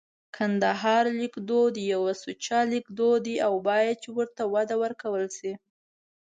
کندهارۍ لیکدود یو سوچه لیکدود دی او باید چي ورته وده ورکول سي